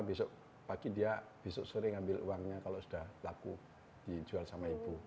besok pagi dia besok sore ngambil uangnya kalau sudah laku dijual sama ibu